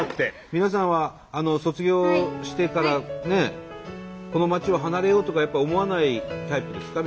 皆さんは卒業してからこの町を離れようとかやっぱ思わないタイプですか？